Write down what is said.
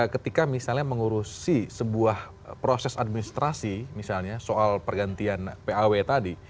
ketika misalnya mengurusi sebuah proses administrasi misalnya soal pergantian paw tadi